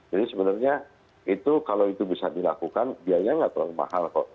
jadi sebenarnya itu kalau itu bisa dilakukan biayanya nggak terlalu mahal kok